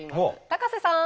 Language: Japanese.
高瀬さん！